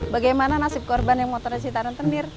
bagaimana nasib korban yang motornya si tarentenir